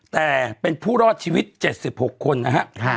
แต่เป็นผู้รอดชีวิต๗๖คนนะครับ